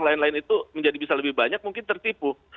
lain lain itu menjadi bisa lebih banyak mungkin tertipu